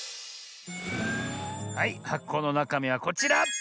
はいはこのなかみはこちら！